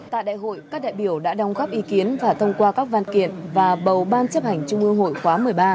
tại đại hội các đại biểu đã đồng góp ý kiến và thông qua các văn kiện và bầu ban chấp hành trung ương hội khóa một mươi ba